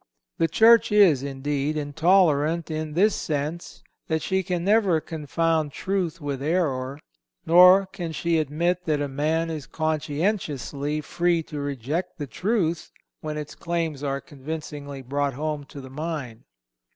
The Church is, indeed, intolerant in this sense, that she can never confound truth with error; nor can she admit that any man is conscientiously free to reject the truth when its claims are convincingly brought home to the mind.